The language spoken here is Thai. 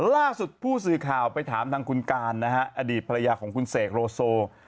ล่าสุดผู้สื่อข่าวไปถามทางคุณการนะฮะอดีตภรรยาของคุณเสกโลโซ